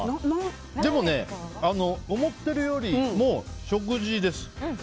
でも、思ってるよりも食事です。